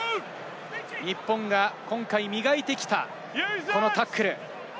日本が今回、磨いてきたタックル。